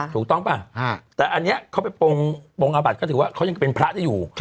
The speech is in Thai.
ถูกต้องป่ะแต่อันนี้เขาไปปงอาบัติก็ถือว่าเขายังเป็นพระได้อยู่